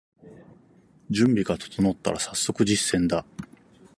準備が整ったらさっそく実践だ